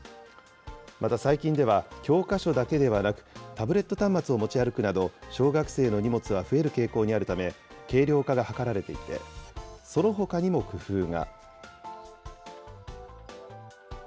また最近では、教科書だけではなく、タブレット端末を持ち歩くなど、小学生の荷物は増える傾向にあるため、軽量化が図られていて、そのほかにも工夫が。